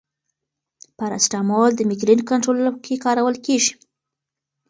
پاراسټامول د مېګرین کنټرول کې کارول کېږي.